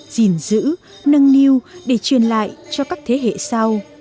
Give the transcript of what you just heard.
dình dữ nâng niu để truyền lại cho các thế hệ sau